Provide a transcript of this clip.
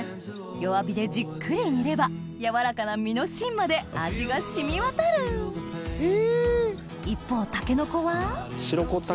弱火でじっくり煮れば柔らかな身のしんまで味が染み渡る一方筍は白子筍。